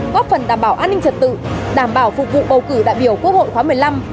góp phần đảm bảo an ninh trật tự đảm bảo phục vụ bầu cử đại biểu quốc hội khóa một mươi năm